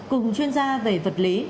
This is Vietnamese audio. cùng chuyên gia về vật lý